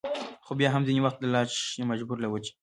خو بيا هم ځينې وخت د لالچ يا مجبورو له وجې